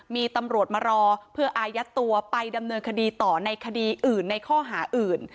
มีตำรวจมารอเพื่ออายัดตัวไปดำเนินคดีต่อในคดีอื่นในข้อหาอื่น